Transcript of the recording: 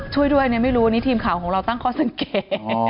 ช่วยด้วยเนี่ยไม่รู้อันนี้ทีมข่าวของเราตั้งข้อสังเกต